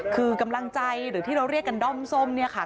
คือกำลังใจหรือที่เราเรียกกันด้อมส้มเนี่ยค่ะ